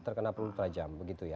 terkena peluru tajam begitu ya